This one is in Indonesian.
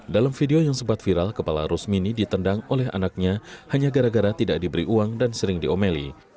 dalam video yang sempat viral kepala rusmini ditendang oleh anaknya hanya gara gara tidak diberi uang dan sering diomeli